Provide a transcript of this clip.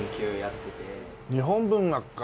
日本文学か。